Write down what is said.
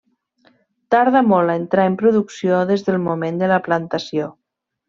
Tarda molt a entrar en producció des del moment de la plantació.